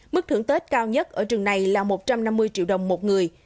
mức thưởng tết cao nhất ở trường này là một trăm năm mươi triệu đồng một người